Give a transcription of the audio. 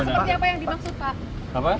seperti apa yang dimaksud pak